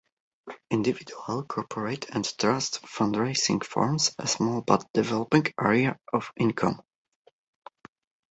Individual, corporate and trust fundraising forms a small but developing area of income.